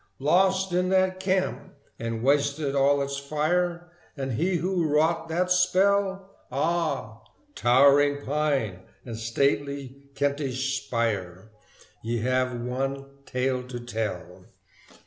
Lost is that camp and wasted all its fire: And he who wrought that spell? Ah! towering pine and stately Kentish spire, Ye have one tale to tell!